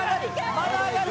まだ上がる。